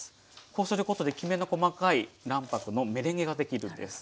こうすることできめの細かい卵白のメレンゲができるんです。